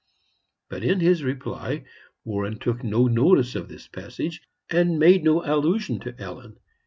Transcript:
But in his reply Warren took no notice of this passage, and made no allusion to Ellen.